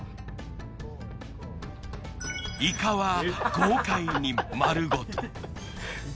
いかは豪快に丸ごと。